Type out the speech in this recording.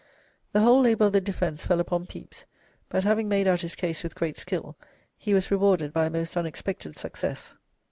The whole labour of the defence fell upon Pepys, but having made out his case with great skill, he was rewarded by a most unexpected success.